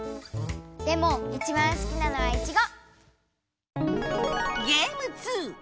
でもいちばんすきなのはいちご！